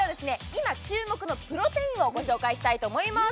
今注目のプロテインをご紹介したいと思います